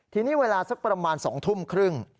ทีนี้เวลาสักประมาณ๒ทุ่มครึ่ง